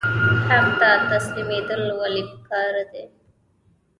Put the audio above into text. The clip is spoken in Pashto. حق ته تسلیمیدل ولې پکار دي؟